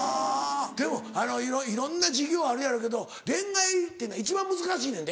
でもいろんな授業あるやろうけど恋愛って一番難しいねんで。